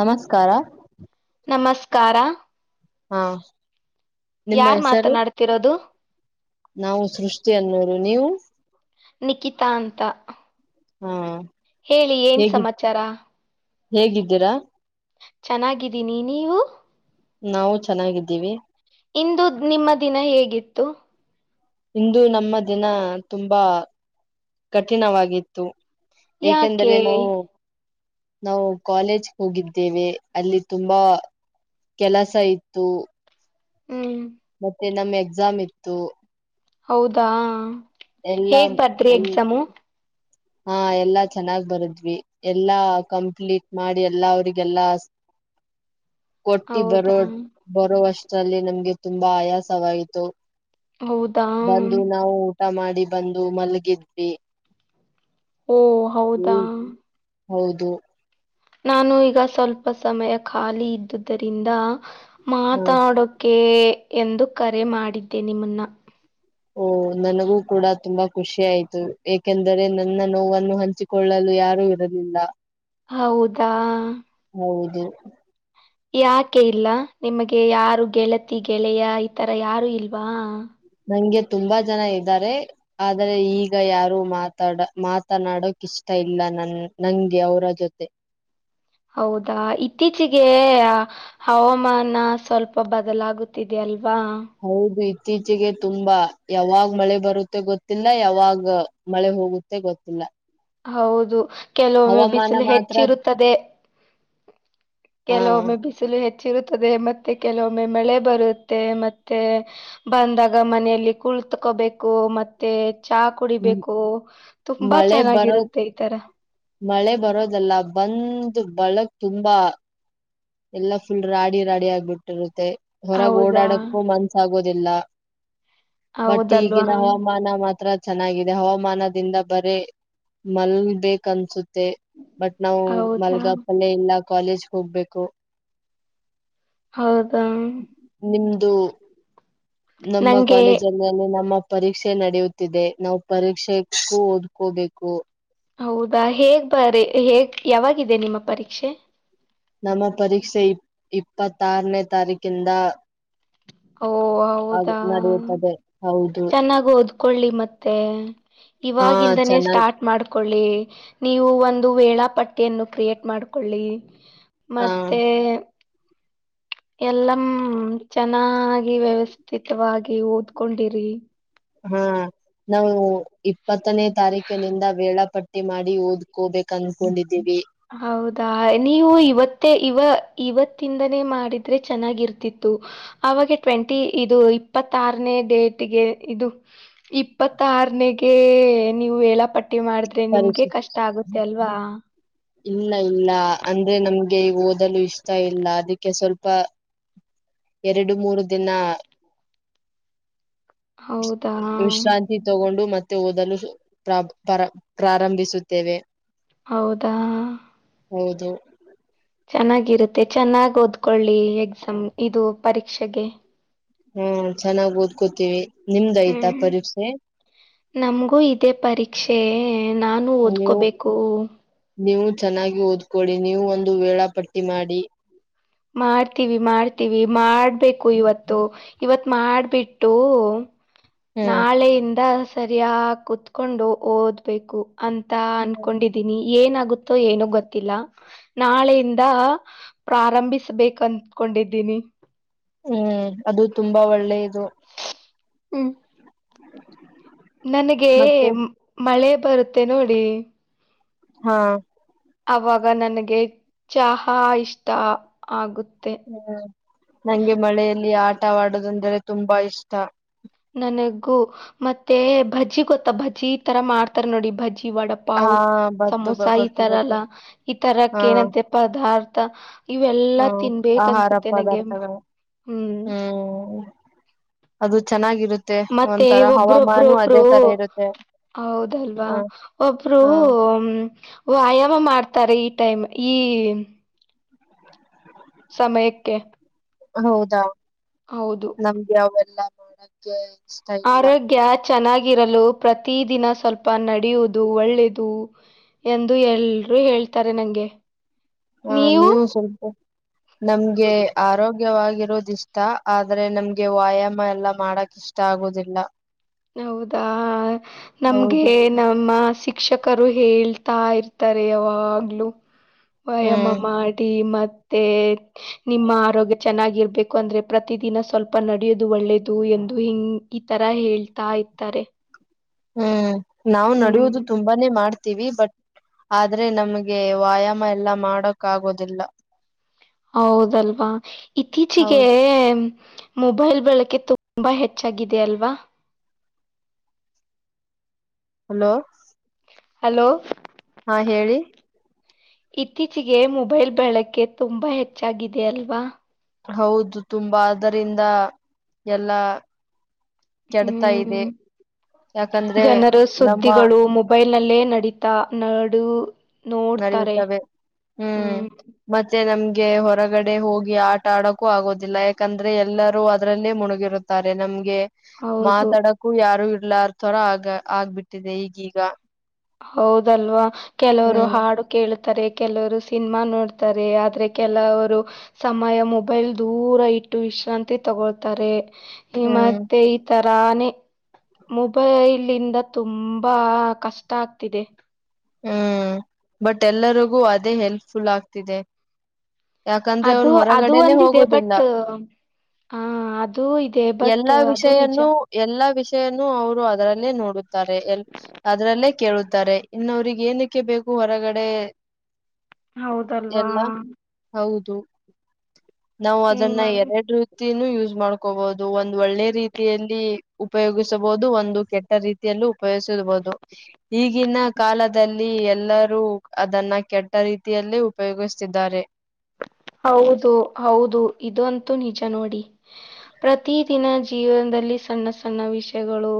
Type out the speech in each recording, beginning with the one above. ನಮಸ್ಕಾರ ನಮಸ್ಕಾರ ಹಾ ನಿಮ್ಮ ಯಾರ್ ಹೆಸರು ಮಾತನಾಡ್ತಿರೋದು ನಾವು ಸೃಷ್ಟಿ ಅನ್ನೋರು ನೀವು ನಿಕಿತಾ ಅಂತ ಹಾ ಹೇಳಿ ಏನ್ ಹೇಗಿ ಸಮಾಚಾರ ಹೇಗಿದ್ದೀರಾ. ಚೆನ್ನಾಗಿದ್ದೀನಿ ನೀವು. ನಾವು ಚೆನ್ನಾಗಿದ್ದೀವಿ. ಇಂದು ದ್ ನಿಮ್ಮ ದಿನ ಹೇಗಿತ್ತು. ಇಂದು ನಮ್ಮ ದಿನ ತುಂಬಾ ಕಠಿಣವಾಗಿತ್ತು. ಯಾಕೆ ಏಕೆಂದರೆ ನಾವು ನಾವು ಕಾಲೇಜ್ ಹೋಗಿದ್ದೇವೆ ಅಲ್ಲಿ ತುಂಬಾ ಕೆಲಸ ಇತ್ತು. ಹು. ಮತ್ತೆ ನಮ್ಮ ಎಕ್ಸಾಮ್ ಇತ್ತು. ಹೌದಾ ಎಲ್ಲಾ ಹೇಗ್ ಬರದ್ರಿ ಎಲ್ ಎಕ್ಸಾಮು. ಹಾ ಎಲ್ಲಾ ಚೆನ್ನಾಗ್ ಬರುದ್ವಿ. ಎಲ್ಲಾ ಕಂಪ್ಲೀಟ್ ಮಾಡಿ ಎಲ್ಲಾ ಅವ್ರಿಗೆಲ್ಲಾಸ್. ಕೊಟ್ಟಿ ಹೌದಾ ಬರೋಡ ಬರೋ ಅಷ್ಟರಲ್ಲಿ ನಮ್ಗೆ ತುಂಬಾ ಆಯಾಸವಾಯ್ತು ಹೌದಾ ಬಂದು ನಾವು ಊಟ ಮಾಡಿ ಬಂದು ಮಲ್ಗಿದ್ವಿ. ಓ ಹೌದಾ ಹ್ಮ್ ಹೌದು. ನಾನು ಈಗ ಸ್ವಲ್ಪ ಸಮಯ ಖಾಲಿ ಇದ್ದುದರಿಂದ ಹ ಮಾತಾಡೋ ಕೇ ಎಂದು ಕರೆ ಮಾಡಿದ್ದೆ ನಿಮ್ಮನ್ನ. ಓ ನನಗೂ ಕೂಡ ತುಂಬಾ ಖುಷಿ ಆಯ್ತು ಏಕೆಂದರೆ ನನ್ನ ನೋವನ್ನು ಹಂಚಿ ಕೊಳ್ಳಲು ಯಾರು ಇರಲಿಲ್ಲಾ. ಹೌದಾ ಹೌದು ಯಾಕೆ ಇಲ್ಲಾ ನಿಮಗೆ ಯಾರು ಗೆಳತಿ ಗೆಳೆಯ ಈತರ ಯಾರು ಇಲ್ವಾ. ನಂಗೆ ತುಂಬಾ ಜನ ಇದ್ದಾರೆ ಆದ್ರೆ ಈಗ ಯಾರು ಮಾತಾಡ ಮಾತನಾಡೋಕ್ ಇಷ್ಟ ಇಲ್ಲ ನನ್ ನಂಗೆ ಅವ್ರ ಜೊತೆ. ಹೌದಾ ಇತ್ತೀಚಿಗೇ ಅ ಹವಮಾನ ಸ್ವಲ್ಪ ಬದಲಾಗುತ್ತಿದೆ ಅಲ್ವಾ. ಹೌದು ಇತ್ತೀಚೆಗೆ ತುಂಬಾ ಯಾವಾಗ್ ಮಳೆ ಬರುತ್ತೆ ಗೊತ್ತಿಲ್ಲಾ ಯಾವಾಗ ಮಳೆ ಹೋಗುತ್ತೆ ಗೊತ್ತಿಲ್ಲ. ಹೌದು ಕೆಲವೊಮ್ಮೆ ಹವಾಮಾನ ಬಿಸಿಲು ಮಾತ್ರ ಹೆಚ್ಚಿರುತ್ತದೆ ಹಾ ಕೆಲವೊಮ್ಮೆ ಬಿಸಿ ಚಳಿ ಹೆಚ್ಚಿರುತ್ತದೆ ಮತ್ತೆ ಕೆಲವೊಮ್ಮೆ ಮಳೆ ಬರುತ್ತೆ ಮತ್ತೆ ಬಂದಾಗ ಮನೆಯಲ್ಲಿ ಕುಳತ್ಕೋಬೇಕು ಮತ್ ತ್ತೆ ಚಹಾ ಮ್- ಕುಡಿಬೇಕು ತುಂಬಾ ಮಳೆ ಬರೋ ಚೆನ್ನಾಗಿರುತ್ತೆ ಈ ತರಾ. ಮಳೆ ಬರೋದಲ್ಲಾ ಬಂದ್ ಬಳಗ್ ತುಂಬಾ. ಎಲ್ಲಾ ಫುಲ್ ರಾಡಿ ರಾಡಿ ಆಗ್ಬಿಟ್ಟಿರುತ್ತೆ ಹೊರಗ್ ಹೌದಾ ಓಡಾಡಕ್ಕೂ ಮನ್ಸ ಆಗೋದಿಲ್ಲ. ಬಟ್ ಹೌದಲ್ವಾ ಈಗಿನ ಹವಾಮಾನ ಮಾತ್ರ ಚೆನ್ನಾಗಿದೆ ಹವಾಮಾನದಿಂದ ಬರೇ ಮಲ್ಬೇಕನ್ಸುತ್ತೆ. ಬಟ್ ನಾವು ಹೌದಾ ಮಲ್ಗಪಲ್ಲೇ ಇಲ್ಲ ಕಾಲೇಜ್ ಹೋಗ್ಬೇಕು. ಹೌದಾ. ನಿಮ್ದು ನಮ್ಮ ನಂಗೆ ಕಾಲೇಜಲ್ಲಿ. ಲಲ್ಲಿ ನಮ್ಮ ಪರೀಕ್ಷೆ ನಡೆಯುತ್ತಿದೆ ನಾವು ಪರೀಕ್ಷೆಕ್ಕೂ ಓದ್ಕೋಬೇಕು. ಹೌದಾ ಹೇಗ್ ಬರಿ ಹೇಗ್ ಯಾವಾಗಿದೆ ನಿಮ್ಮ ಪರೀಕ್ಷೆ. ನಮ್ಮ ಪರೀಕ್ಷೆ ಇ ಇಪ್ಪತ್ತಾರನೇ ತಾರೀಕಿಂದ ಓ ಹೌದಾ ನಡೆಯುತ್ತದೆ ಹೌದು ಚೆನ್ನಾಗ ಹೋದ್ ಕೊಳ್ಳಿ ಮತ್ತೆ ಹ ಇವಾಗಿಂದಾನೇ ಚೆನ್ನಾಗಿ ಸ್ಟಾರ್ಟ್ ಮಾಡ್ ೊಳ್ಳಿ ನೀವು ಒಂದು ವೇಳಾಪಟ್ಟಿಯನ್ನು ಕ್ರಿಯೇಟ್ ಮಾಡ್ಕೊಳ್ಳಿ ಹ ಮತ್ತೆ ಎಲ್ಲ ಚೆನ್ನಾಗಿ ವ್ಯವಸ್ಥಿತವಾಗಿ ಓದ್ಕೊಂಡಿರಿ ಹಾ ನಾವು ಇಪ್ಪತ್ತನೇ ತಾರೀಕಿನಿಂದ ವೇಳಾಪಟ್ಟ ಬಟ್ಟೆ ಮಾಡಿ ಓದ್ಕೋಬೇಕ ಅನ್ಕೊಂಡಿದ್ದೀವಿ ಹೌದಾ ನೀವು ಇವತ್ತೇ ಇವ ಇವತ್ತಿಂದನೇ ಮಾಡಿದ್ರೆ ಚೆನ್ನಾಗಿರ್ತಿತ್ತು ಅವಾಗೆ ಟ್ವೆಂಟಿ ಇದು ಇಪ್ಪತ್ತಾರನೇ ಡೇಟ್ಗೆ ಇದು ಇಪ್ಪತ್ತಾರನಗೆ ನೀವು ಹೇಳಪಟ್ಟ ಪಟಿ ಮಾಡಿದ್ರೆ ನಿಮ್ಗೆ ಪರೀಕ್ಷೆ ಕಷ್ಟ ಆಗುತ್ತೆ ಅಲ್ವಾ ಇಲ್ಲ ಇಲ್ಲ ಅಂದ್ರೆ ನಮ್ಗೆ ಓದಲು ಇಷ್ಟ ಇಲ್ಲ ಅದಕ್ಕೆ ಸ್ವಲ್ಪ ಎರಡು ಮೂರು ದಿನ ಹೌದಾ ವಿಶ್ರಾಂತಿ ತಗೊಂಡು ಮತ್ತೆ ಓದಲು ಪ್ರಾ ಪರ ಪ್ರಾರಂಭಿಸುತ್ತೇವೆ ಹೌದಾ ಹೌದು ಚೆನ್ನಾಗಿರುತ್ತೆ ಚೆನ್ನಾಗಿ್ ಓದ್ಕೊಳ್ಳಿ ಎಕ್ಸಾಮ್ ಇದು ಪರೀಕ್ಷೆಗೆ ಹ್ಮ ಚೆನ್ನಾಗ್ ಓದ್ಕೋತೀವಿ ನಿಮ್ದಯ್ತಾ ಹ್ಮ್ ಪರೀಕ್ಷೆ ನಮಗೂ ಇದೇ ಪರೀಕ್ಷೆ ನಾನು ನೀವು ಓದ್ಕೋಬೇಕು ನೀವು ಚೆನ್ನಾಗಿ ಓದ್ಕೊಿ ನೀವು ಒಂದು ವೇಳಾ ಪಟ್ಟಿ ಮಾಡಿ ಮಾಡ್ತೀವಿ ಮಾಡ್ತೀವಿ ಮಾಡ್ಬೇಕು ಇವತ್ತು ಇವತ್ ಮಾಡ್ಬಿಟ್ಟು ಹ್ಮ್ ನಾಳೆಯಿಂದ ಸರಿಯ ಕುೂತ್ಕೊಂಡು ಓದ್ಬೇಕು ಅಂತ ಅನ್ಕೊಂಡಿದೀನಿ ಏನಾಗುತ್ತೆ ಏನು ಗೊತ್ತಿಲ್ಲ ನಾಳೆಯಿಂದ ಪ್ರಾರಂಭಿಸಿ ಬೇಕ ಅಂದಕೊಂಡಿದ್ದೀನಿ ಹ್ಮ್ ಅದು ತುಂಬಾ ಒಳ್ಳೇದು ಹ್ಮ್ ನನಗೆ ಮತ್ತೆ ಮಳೆ ಬರುತ್ತೆ ನೋಡಿ ಹಾ ಅವಾಗ ನನಗೆ ಚಹಾ ಇಷ್ಟ ಆಗುತ್ತೆ ಹ್ಮ್ ನಂಗೆ ಮಳೆಯಲ್ಲಿ ಆಟವಾಡೋದಂದರೆೆ ತುಂಬಾ ಇಷ್ಟ ನನಗೂ ಮತ್ತೆ ಬಜ್ಜಿ ಗೊತ್ತಾ ಭಜ್ಜಿ ಈ ತರ ಮಾಡ್ತಾರ ನೋಡಿ ಬಜ್ಜಿ ವಡಪ್ಪ ಹಾ ಪಾವು ಬತ್ತು ಬ ಸಮೋಸಾ ಈ ಗೊತ್ತು ಗೊತ್ತು ತರಲ್ಲ ಈ ಹಾ ತರಕ್ಕ ಏನಂತೆ ಪದಾರ್ಥ ಇವೆಲ್ಲಾ ಹ್ಮ್ ತಿನ್ಬೇಕ ಆಹಾರ ಅನ್ಸುತ್ತೆ ನಂಗೆ ಪದಾರ್ಥಗಳು ಹ್ಮ್ ಹ್ಮ್ ಅದು ಚೆನ್ನಾಗಿರುತ್ತೆ ಮತ್ತೆ ಒಂಥರ ಹವಾಮಾನು ಒಬ್ರೊಬ್ರೊಬ್ರು ಅದೇ ತರ ಇರುತ್ತೆ ಹೌದಲ್ವಾ ಹ್ಮ್ ಒಬ್ರು ಹ್ಮ್ ವ್ಯಾಯಾಮ ಮಾಡ್ತಾರೆ ಈ ಟೈಮ್ ಈ ಹ ಸಮಯಕ್ಕೆ ಹೌದಾ ಹೌದು ನಮ್ಗೆ ಅವೆಲ್ಲ ನಡ [unintelligible] ಆರೋಗ್ಯ ಚೆನ್ನಾಗಿರಲು ಪ್ರತಿ ದಿನ ಸ್ವಲ್ಪ ನಡೆಯುವುದು ಒಳ್ಳೇದು ಎಂದು ಎಲ್ರರು ಹೇಳ್ತಾರೆ ನಂಗೆ. ಹಾ ನೀವು ಸ್ವಲ್ಪ ನಮ್ಗೆ ಆರೋಗ್ಯ. ವಗವಾಗಿರೋದ ಇಷ್ಟ ಆದ್ರೆ ನಮ್ಗೆ ವ್ಯಾಯಾಮ ಎಲ್ಲ ಮಾಡಕ್ ಇಷ್ಟ ಆಗೋದಿಲ್ಲ. ಹೌದಾ ನಮ್ಗೆ. ಹೌದು ನಮ್ಮ ಶಿಕ್ಷಕರು ಹೇಳ್ತಾ ಇರ್ತಾರೆ ಯಾವಾಗ್ಲುೂ. ವ್ಯಾಯಾಮ ಹ್ಮ್ ಮಾಡಿ ಮತ್ತೆ. ನಿಮ್ಮ ಆರೋಗ್ಯ ಚೆನ್ನಾಗಿರ್ಬೇಕು ಅಂದ್ರೆ ಪ್ರತಿ ದಿನ ಸ್ವಲ್ಪ ನಡಿಯೋದು ಒಳ್ಳೇದು ಎಂದು ಹಿಂಗ.. ಈ ತರ ಹೇಳ್ತಾ ಇತಾರೆ. ಹ್ಮ್ ನಾವು ನಡುವುದು ತುಂಬ.. ುಂಬನೆ ಮಾಡ್ತೀವಿ ಬಟ್ ಆದ್ರೆ ನಮ್ಗೆ ವ್ಯಾಯಾಮ ಎಲ್ಲಾ ಮಾಡಕ್ ಆಗೋದಿಲ್ಲ. ಹೌದಲ್ವಾ ಇತ್ತೀಚಿಗೆ. ಹೌದು ಮೊಬೈಲ್ ಬಳಕೆ ತುಂಬಾ ಹೆಚ್ಚಾಗಿದೆ ಅಲ್ವಾ. ಹಲೋ. ಹಲೋ. ಹಾ ಹೇಳಿ. ಇತ್ತೀಚೆಗೆ ಮೊಬೈಲ್ ಬಳಕೆ ತುಂಬಾ ಹೆಚ್ಚಾಗಿದೆ ಅಲ್ವಾ. ಹೌದು ತುಂಬಾ ಅದರಿಂದ ಎಲ್ಲಾ. ಕೆಡ್ತಾ ಇದೆ ಹ್ಮ್ ಯಾಕಂದ್ರೆ ಜನರ ನಮ್ಮ ಸುದ್ದಿಗಳು. ಮೊಬೈಲ್ ನಲ್ಲೇ ನಡೀತಾ ನಡು. ನೋಡ್ತಾರೆ ನಡೆಯುತ್ತವೆ ಹ್ಮ್. ಮತ್ತೆ ನಮ್ಗೆ ಹೊರಗಡೆ ಹೋಗಿ ಆಟ ಆಡಕೂ ಆಗೋದಿಲ್ಲ ಯಾಕಂದ್ರೆ ಎಲ್ಲರೂ ಅದ್ರಲ್ಲೇ ಮುಣುಗಿರುತ್ತೆ.. ತಾರೆ ನಮ್ಗೆ ಹೌದು ಮಾತಾಡಕೂ ಯಾರು ಇರ್ಲಾರ ತರ ಆಗ ಆಗ್ಬಿಟ್ಟಿದೆ ಈಗೀಗ. ಹೌದಲ್ವಾ ಕೆಲವರು ಹ್ಮ್ ಹಾಡು.. ಕೇಳ್ತಾರೆ ಕೆಲವರು ಸಿನಿಮಾ ನೋಡ್ತಾರೆ ಆದ್ರೆ ಕೆಲವರು. ಸಮಯ ಮೊಬೈಲ್ ದೂರ ಇಟ್ಟು ವಿಶ್ರಾಂತಿ ತಗೊಳ್ತಾರೆ.. ಹ್ಮ್ ಮತ್ತೆ ಈ ತರಾನೇ. ಮೊಬೈಲ್ಂದ ತುಂಬಾ ಕಷ್ಟ ಆಗ್ತಿದೆ. ಹ್ಮ್ ಬಟ್ ಎಲ್ಲರಿಗೂ ಅದೇ ಹೆಲ್ಪ್ಫುಲ್ ಆಗ್ತಿದೆ. ಯಾಕಂದ್ರೆ ಅವ್ರು ಅದು ಅದು ಹೊರಗಡೆನೆ ಒಂದಿದೆ ಹೋಗೋದಿಲ್ಲ ಬಟ್. ಹ ಅದುೂ ಇದೆ ಬಟ್ ಅದು. ನಿಜ ನ್ನು ಎಲ್ಲಾ ವಿಷಯನ್ನು ಅವರು ಅದರಲ್ಲೇ ನೋಡುತ್ತಾರೆ ಎ ಅದರಲ್ಲೇ ಕೇಳುತ್ತಾರೆ. ಇನ್ನವ್ರಗ್ ಏನಕ್ಕೆ ಬೇಕು ಹೊರಗಡೆ.. ಹೌದಲ್ವಾ. ಎಲ್ಲ ಹೌದು ನಾವು ಏನ್ ಅದನ್ನ ಮಾಡ ಎರಡು.. ಯೂಸ್ ಮಾಡ್ಕೋಬಹುದು ಒಂದು ಒಳ್ಳೆ ರೀತಿಯಲ್ಲಿ ಉಪಯೋಗಿಸಬಹುದು ಒಂದು ಕೆಟ್ಟ ರೀತಿ. ಉಪಯೋಗಿಸರಬಹುದು ಈಗಿನ. ಕಾಲದಲ್ಲಿ ಎಲ್ಲರೂ ಅದನ್ನ ಕೆಟ್ಟ ರೀತಿಯಲ್ಲಿ ಉಪಯೋಗಿಸ್ತಿದ್ದಾರೆ. ಹೌದು ಹೌದು ಇದು ಅಂತೂ ನಿಜ ನೋಡಿ. ಪ್ರತಿ ದಿನ ಜೀವನದಲ್ಲಿ ಸಣ್ಣ ಸಣ್ಣ ವಿಷಯಗಳು.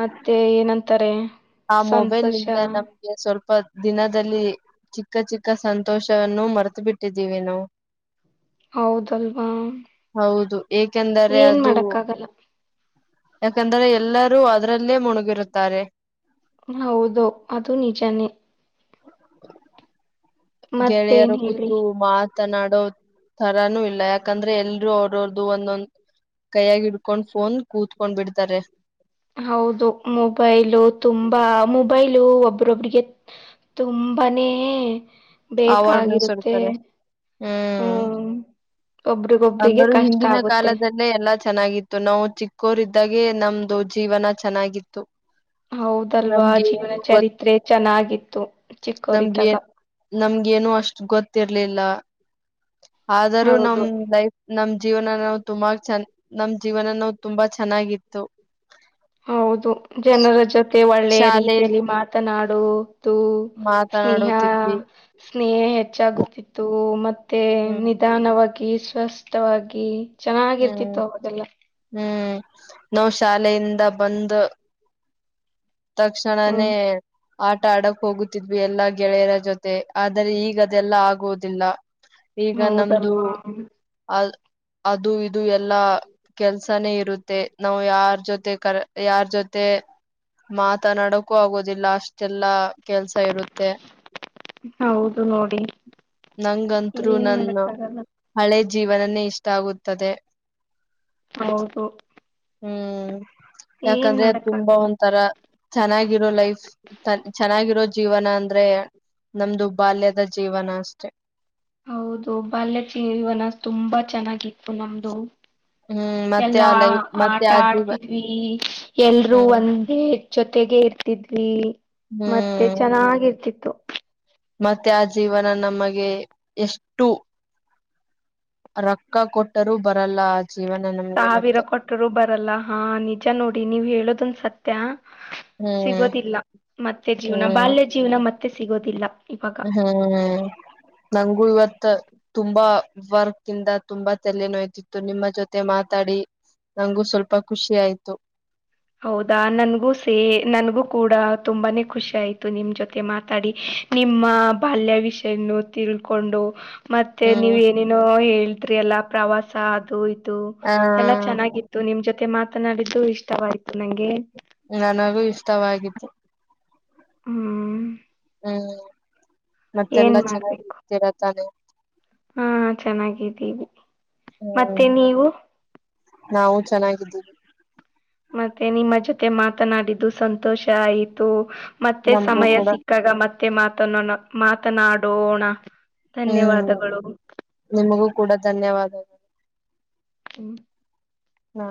ಮತ್ತೆ ಏನಂತಾರೆ. ಆ ಮೊಬೈಲ್ ಸಂತೋಷ ನಿಂದ ನ. ಗೆ ಸ್ವಲ್ಪ ದಿನದಲ್ಲಿ ಚಿಕ್ಕ ಚಿಕ್ಕ ಸಂತೋಷವನ್ನು ಮರ್ತು ಬಿಟ್ಟಿದ್ದೀವಿ ನಾ. ಹೌದಲ್ವಾ. ಹೌದು ಏಕೆಂದರೆ ಏನ್ ಅದು. ಮಾಡಕ್ಕಾಗಲ್ಲ ಯಾಕಂದ್ರೆ ಎಲ್ಲರೂ ಅದ್ರಲ್ಲೇ ಮುಣುಗಿರುತ್ತಾರೆ. ಹೌದು ಅದು ನಿಜಾನೇ. ಮತ್ತೇನ್ ಗೆಳೆಯರು ಹೇಳಿ ಕುತ್ತು ಮಾತ್ ಮಾತನಾಡೋ ತರಾನು ಇಲ್ಲ ಯಾಕಂದ್ರೆ ಎಲ್ರು ಅವ್ರವ್ರ್ದ ಒಂದೊಂದು. ಕೈಯಾಗ ಇಡ್ಕೊಂಡ್ ಫೋನ್ ಕೂತ್ಕೊಂಡ್ ಬಿಡ್ತಾರೆ. ಹೌದು ಮೊಬೈಲು ತುಂಬಾ ಮೊಬೈಲು ಒಬ್ರೊಬಿಗೆ. ತುಂಬನೇ. ಬೇಕಾಗಿರುತ್ತೆ ಆವರ್ಣಿಸಿರ್ತಾರೆ ಹ್ಮ್ ಹ್ಮ. ಒಬ್ರಿಗೊಬ್ರಿಗೆ ಕಷ್ಗೆ ಆಗುತ್ತೆ. ಇಲ್ಲೇ ಎಲ್ಲಾ ಚೆನ್ನಾಗಿತ್ತು ನಾವು ಚಿಕ್ಕೋರ ಇದಿದ್ದಾಗೆ ನಮ್ದು ಜೀವನ ಚೆನ್ನಾಗಿತ್ತು. ಹೌದಲ್ವಾ ನಮ್ಗೆ ಜೀವನ ಏನು ಗೊತ್ ಚರಿತ್ರೆ ಚೆನ್ನಾಗಿತ್ತು ಚಿಕ್ಕೋರಿದ್ದಾಗ. ನಮ್ಗನು ಅಷ್ಟು ಗೊತ್ತಿರ್ಲಿಲ್ಲ ಆದರೂ ನಮ್ ಹೌದು ಲೈಫ್ ನಮ್ ಜೀವನ ನಾವು ತುಂಬಾ ಚ ನಮ್ ಜೀವನ ನಾವು ತುಂಬಾ ಚೆನ್ನಾಗಿತ್ತು. ಹೌದು ಜನರ ಜೊತೆ ಒಳ್ಳೆಯ ಶಾಲೆಯಲ್ಲಿ ರೀತಿಯಲ್ಲಿ ಮಾತನಾಡುವುದು. ಸ್ನೇಹ ಮಾತನಾಡುತ್ತಿದ್ವಿ ಸ್ನೇಹ ಹೆಚ್ಚಾಗುತ್ತಿತ್ತು ಮತ್ತೆ ನಿ ಹ್ಮ್ ನಿಧಾನವಾಗಿ ಸ್ವಸ್ಥವಾಗಿ ಹ್ಮ್ ಚೆನ್ನಾಗಿರ್ತಿತ್ತು ಅವಗೆಲ್ಲ. ಹ್ಮ್ ನಾವ್ ಶಾಲೆಯಿಂದ ಬಂದು. ತಕ್ಷಣನೇ ಹ್ಮ್ ಆಟ ಆಡಕ್ ಹೋಗುತ್ತಿದ್ವಿ ಎಲ್ಲಾ ಗೆಳೆಯರ ಜೊತೆ ಆದರೆ ಈ ಈಗ ಅದೆಲ್ಲ ಆಗೋದಿಲ್ಲ ಈಗ ನಮ್ದು ಹೌದಲ್ವಾ ಅ ಅದು ಇದು ಎಲ್ಲಾ. ಕೆಲ್ಸಾನೇ ಇರುತ್ತೆ ನಾವು ಯಾರ್ ಜೊತೆ ಕರ ಯಾರ್ ಜೊತೆ. ಮಾತನಾಡಕೂ ಆಗೋದಿಲ್ಲ ಅಷ್ಟೆಲ್ಲಾ ಕೆಲ್ಸ ಇರುತ್ತೆ. ಹೌದು ನೋಡಿ ನಂಗಂತ್ರು ಏನ್ ನನ್ನ ಮಾಡಕ್ಕಾಗಲ್ಲ. ಹಳೆ ಜೀವನನೇ ಇಷ್ಟ ಆಗುತ್ತದೆ. ಹೌದು. ಹ್ಮ್ ಏನ್ ಯಾಕಂದ್ರೆ ತುಂಬಾ ಮಾಡಕ್ಕಾಗಲ್ಲ ಒಂಥರ ಚೆನ್ನಾಗಿರೋ ಲೈಫ್. ಚೆನ್ನಾಗಿರೋ ಜೀವನ ಅಂದ್ರೆ ನಮ್ದು ಬಾಲ್ಯದ ಜೀವನ ಅಷ್ಟೇ. ಹೌದು ಬಾಲ್ಯ ಜೀವನ ತುಂಬಾ ಚೆನ್ನಾಗಿತ್ತು ನಮ್ದು. ಹ್ಮ್ ಮತ್ತೆ ಎಲ್ಲಾ ಆ ಲೈ ಮತ್ತೆ ಆಟ ಆ ಜೀವ ಆಡ್ತಿದ್ವಿ ಎಲ್ರು ಹ್ಮ್ ಒಂದ್ ಜೊತೆಗೆ ಇರ್ತಿದ್ವಿ ಮತ್ತೆ ಹ್ಮ್ ಚೆನ್ನಾಗಿರ್ತಿತ್ತು. ಮತ್ತೆ ಆ ಜೀವನ ನಮಗೆ ಎಷ್ಟು. ರೊಕ್ಕ ಕೊಟ್ಟರು ಬರಲ್ಲ ಅದು. ಜೀವನ ನಮ್ಗೆ. ಸಾವಿರ ಮತ್ತೆ ಕೊಟ್ಟರು ಬರಲ್ಲ ಹಾ ನಿಜ ನೋಡಿ ನೀವ್ ಹೇಳದಂದ ಸತ್ಯ. ಹ್ಮ್ ಸಿಗೋದಿಲ್ಲ ಮತ್ತೆ ಜೀವನ ಹ್ಮ್ ಬಾಲ್ಯ ಜೀವನ ಮತ್ತೆ ಸಿಗೋದಿಲ್ಲ ಇವಾಗ. ಹ್ಮ್ ನನ್ಗೂ ಇವತ್ತ. ತುಂಬಾ ವರ್ಕ್ ಇಂದ ತುಂಬಾ ತಲೆ ನೋಯ್ತಿತ್ತು ನಿಮ್ಮ ಜೊತೆ ಮಾತಾಡಿ. ನಂಗು ಸ್ವಲ್ಪ ಖುಷಿ ಆಯ್ತು. ಹೌದಾ ನನ್ಗೂ ಸೇ ನನ್ಗೂ ಕೂಡ ತುಂಬಾನೇ ಖುಷಿ ಆಯ್ತು ನಿಮ್ ಜೊತೆ ಮಾತಾಡಿ. ನಿಮ್ಮ ಬಾಲ್ಯ ವಿಷಯನ್ನು ತಿಳ್ಕೊಂಡು. ಮತ್ತೆ ಹ್ಮ್ ನೀವ್ ಏನೇನೋ ಹೇಳ್ತರಿ ಎಲ್ಲಾ ಪ್ರವಾಸ ಅದು ಇದು ಆ ಎಲ್ಲಾ ಚೆನ್ನಾಗಿ ನಿಮ್ ಜೊತೆ ಮಾತನಾಡಿದ್ದು ಇಷ್ಟವಾಯ್ತು ನಂಗೆ. ನನಗೂ ಇಷ್ಟವಾಗಿತ್ತು. ಹ್ಮ್ ಹ್ಮ್ ಮತ್ತೆಲ್ಲ ಏನ್ ಮಾಡ್ಬೇಕು ಚೆನ್ನಾಗರ್ತೀರಾ ತಾನೆ. ಹಾ ಚೆನ್ನಾಗಿದ್ದೀವಿ ಹ್ಮ್ ಮತ್ತೆ ನೀವು. ನಾವು ಚೆನ್ನಾಗಿದ್ದೀವಿ ಮತ್ತೆ ನಿಮ್ಮ ಜೊತೆ ಮಾತನಾಡಿದ್ದು ಸಂತೋಷ ಆಯಿತು ಮತ್ತೆ ನಮಗೂ ಸಮಯ ಕೂಡ ಸಿಕ್ಕಾಗ ಮತ್ತೆ ಮಾತೋ ಮಾತನಾಡೋಣ ಹ್ಮ್ ಧನ್ಯವಾದಗಳು ನಿಮಗೂ ಕೂಡ ಧನ್ಯವಾದಗಳು ಹ್ಮ ಹಾ